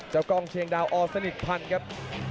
จากกล้องเชียงดาวออสเมษพันครับ